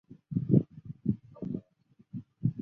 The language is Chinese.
血压升高和肌肉震颤和呼吸减慢则较罕见。